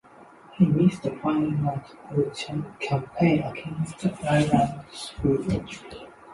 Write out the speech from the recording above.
He missed the final match of the campaign against Ireland through injury.